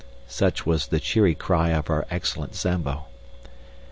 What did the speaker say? Such was the cheery cry of our excellent Zambo.